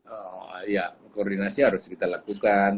oh ya koordinasi harus kita lakukan